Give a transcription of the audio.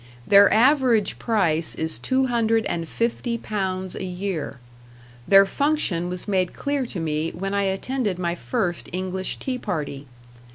Their average price is two hundred and fifty pounds a year; their function was made clear to me when I attended my first English tea party.